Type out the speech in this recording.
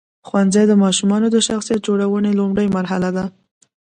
ښوونځی د ماشومانو د شخصیت جوړونې لومړۍ مرحله ده.